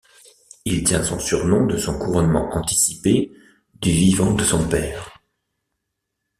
Il tient son surnom de son couronnement anticipé du vivant de son père.